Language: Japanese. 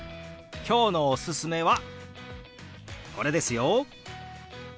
今日のおすすめはこれですよ。